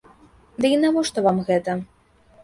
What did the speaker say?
Ды і навошта вам гэта?